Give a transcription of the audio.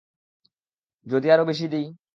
যদি আরো বেশি দিই?